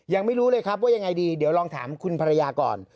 ยังไม่รู้เลยครับว่ายังไงดีเดี๋ยวลองถามคุณภรรยาก่อน